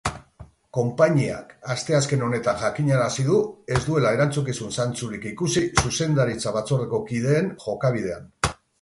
Konpainiak asteazken honetan jakinarazi du ez duela erantzukizun zantzurik ikusi zuzendaritza-batzordeko kideen jokabidean.